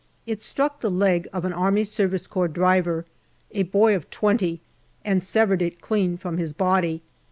It struck the leg of an A.S.C. driver, a boy of twenty, and severed it clean from his body.